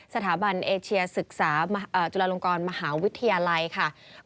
สถาบันเอเชียศึกษาจุฬาลงกรมหาวิทยาลัยค่ะ